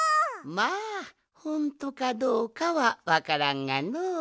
まあほんとかどうかはわからんがのう。